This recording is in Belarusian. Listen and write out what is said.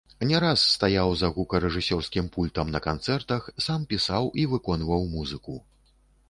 Не раз стаяў за гукарэжысёрскім пультам на канцэртах, сам пісаў і выконваў музыку.